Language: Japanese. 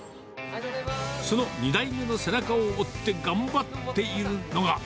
その２代目の背中を追って頑張っているのが。